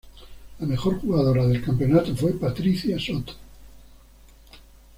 La mejor jugadora del campeonato fue Patricia Soto.